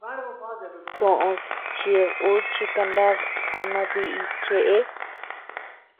Koʼöd chíd ú chi kanad ama bíʼi cheʼe.